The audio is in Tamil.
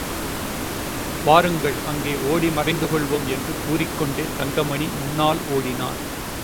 வாருங்கள், அங்கே ஓடி மறைந்து கொள்ளுவோம் என்று கூறிக்கொண்டே தங்கமணி முன்னால் ஓடினான்.